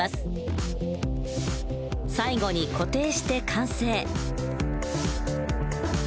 最後に固定して完成。